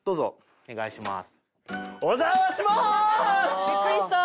お願いします！